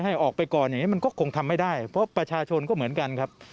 ให้ออกไปก่อนอย่างนี้มันก็คงทำไม่ได้เพราะประชาชนก็เหมือนกันครับ